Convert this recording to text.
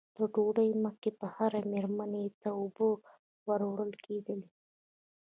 تر ډوډۍ مخکې به هرې مېرمنې ته اوبه ور وړل کېدې.